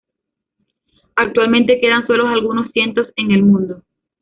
Actualmente quedan sólo algunos cientos en el mundo.